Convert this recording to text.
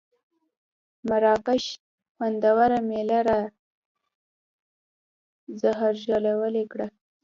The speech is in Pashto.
مراکش خوندوره مېله را زهرژلې کړه.